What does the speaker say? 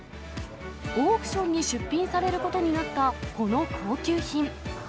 オークションに出品されることになったこの高級品。